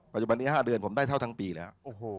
ปัจจุบันนี้๕เดือนผมได้เท่าทั้งปีแล้ว